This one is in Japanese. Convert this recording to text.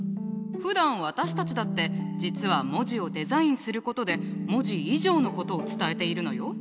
ふだん私たちだって実は文字をデザインすることで文字以上のことを伝えているのよ。